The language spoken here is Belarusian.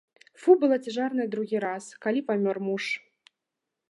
Фу была цяжарная другі раз, калі памёр муж.